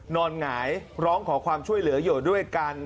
หงายร้องขอความช่วยเหลืออยู่ด้วยกัน